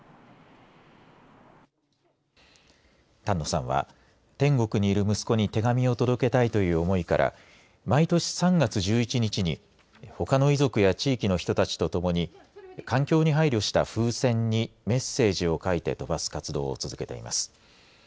丹野さんは天国にいる息子に手紙を届けたいという思いから毎年３月１１日にほかの遺族や地域の人たちとともに環境に配慮した風船にメッセージを書いて飛ばす活動を続けています。